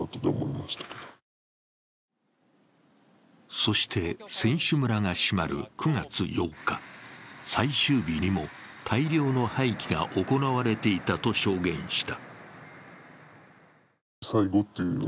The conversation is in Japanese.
そして選手村が閉まる９月８日、最終日にも大量の廃棄が行われていたと証言した。